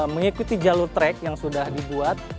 mengikuti jalur track yang sudah dibuat